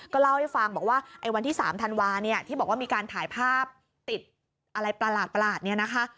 เล่าให้ฟังบอกว่าไอ้วันที่๓ธันวาเนี่ยที่บอกว่ามีการถ่ายภาพติดอะไรประหลาดเนี่ยนะคะ